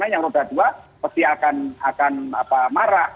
yang roda dua pasti akan marah